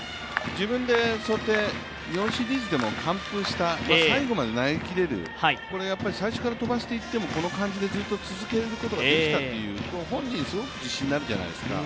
自分で日本シリーズでも完封した最後まで投げきれる、最初から飛ばしていってもこの感じでずっと続けることができたという、本人すごく自信になるじゃないですか。